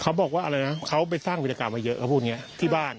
เขาบอกว่าอะไรนะเขาไปสร้างวินาการมาเยอะเขาพูดนี้ที่บ้าน